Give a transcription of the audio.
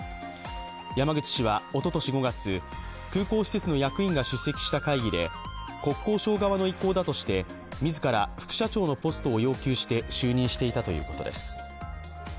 山口氏はおととし５月、空港施設の役員が出席した会議で国交省側の意向だとして自ら副社長のポストを要求して就任していたということです。